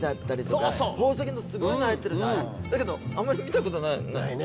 だけどあんまり見た事ないよね。